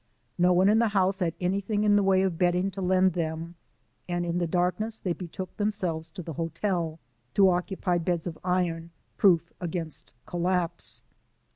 No one in the house had anything in the way of bedding to lend them, and in the darkness they betook themselves to the hotel, to occupy beds of iron, proof against collapse.